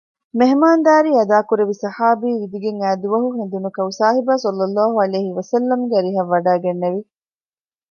މެހުމާންދާރީ އަދާކުރެއްވި ޞަޙާބީ ވިދިގެން އައިދުވަހު ހެނދުނު ކައުސާހިބާ ޞައްލަﷲ ޢަލައިހި ވަސައްލަމަގެ އަރިހަށް ވަޑައިގެންނެވި